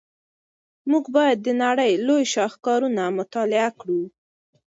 موږ باید د نړۍ لوی شاهکارونه مطالعه کړو.